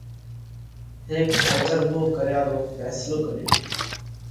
هيڪ تجرڀو ڪريا رو ڦينصلو ڪريو۔